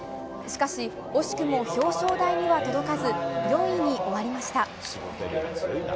しかし惜しくも表彰台には届かず４位に終わりました。